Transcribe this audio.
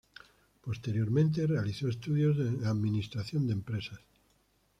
Posteriormente, realizó estudios en Administración de Empresas.